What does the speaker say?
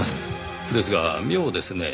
ですが妙ですねぇ。